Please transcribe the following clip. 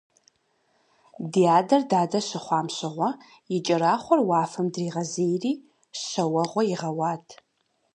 Ди адэр дадэ щыхъуам щыгъуэ, и кӏэрахъуэр уафэм дригъэзейри щэ уэгъуэ игъэуат.